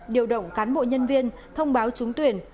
điều động cán bộ nhân viên thông báo trúng tuyển